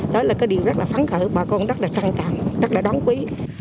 đó là cái điều rất là phán khởi bà con rất là trân trạng rất là đáng quý